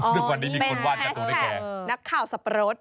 ถึงวันนี้มีคนว่านการ์ตูนให้แกนับข่าวสับปะรด